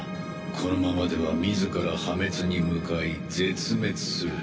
このままでは自ら破滅に向かい絶滅する。